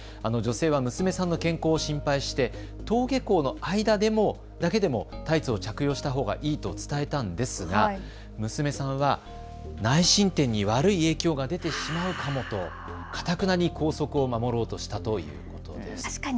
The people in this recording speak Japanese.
女性は娘さんの健康を心配して登下校の間だけでも、タイツを着用したほうがいいと伝えたんですが、娘さんは内申点に悪い影響が出てしまうかもとかたくなに校則を守ろうとしたということです。